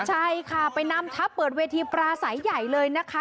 ใช่ค่ะไปนำทัพเปิดเวทีปราศัยใหญ่เลยนะคะ